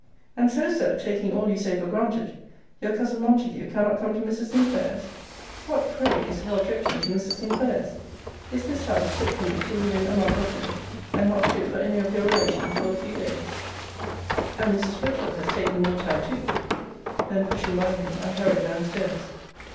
And so, Sir, taking all you say for granted, your cousin Montague cannot come to Mrs. Sinclair's? What, pray, is her objection to Mrs. Sinclair's? Is this house fit for me to live in a month or two, and not fit for any of your relations for a few days? And Mrs. Fretchville has taken more time too! Then, pushing by him, I hurried down stairs.